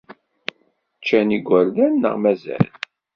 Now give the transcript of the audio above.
Ččan yigerdan neɣ mazal?